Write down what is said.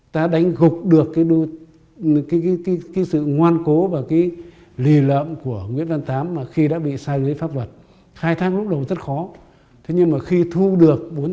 thì nguyễn văn tám đã bị đánh gục